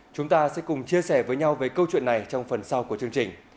chúng ta sẽ cùng chia sẻ với nhau về câu chuyện này trong phần sau của chương trình